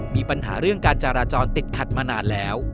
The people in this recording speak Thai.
มีปัญหาเรื่องการจราจรติดขัดมานานแล้ว